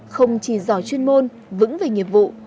không chỉ giỏi chuyên môn vững về nhiệm vụ